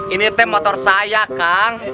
ini tim motor saya kang